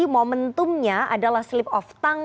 momentumnya adalah slip of time